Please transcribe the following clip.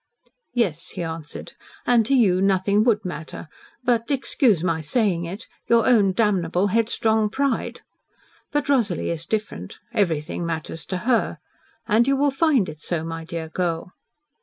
"Yes," he answered. "And to you nothing would matter but excuse my saying it your own damnable, headstrong pride. But Rosalie is different. Everything matters to her. And you will find it so, my dear girl."